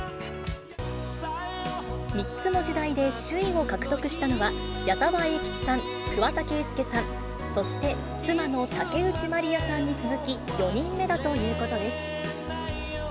３つの時代で首位を獲得したのは、矢沢永吉さん、桑田佳祐さん、そして妻の竹内まりやさんに続き、４人目だということです。